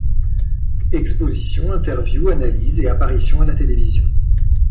Expositions, interviews, analyses et apparitions à la télévision.